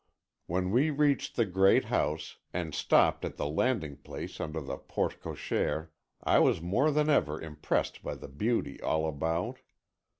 When we reached the great house, and stopped at the landing place under the porte cochère, I was more than ever impressed by the beauty all about.